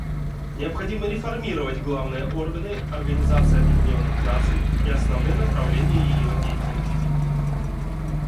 Необходимо реформировать главные органы Организации Объединенных Наций и основные направления ее деятельности.